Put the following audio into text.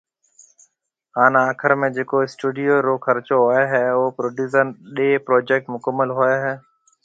ھان آخر ۾ جڪو اسٽوڊيو رو خرچو ھوئي ھيَََ او پروڊيوسر ڏي پروجيڪٽ مڪمل ھوئي ھيَََ